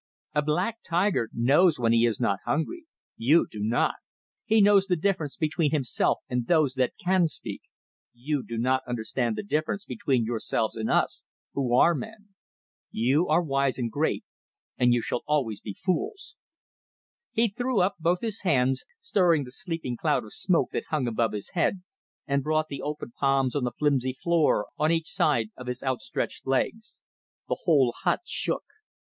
A black tiger knows when he is not hungry you do not. He knows the difference between himself and those that can speak; you do not understand the difference between yourselves and us who are men. You are wise and great and you shall always be fools." He threw up both his hands, stirring the sleeping cloud of smoke that hung above his head, and brought the open palms on the flimsy floor on each side of his outstretched legs. The whole hut shook.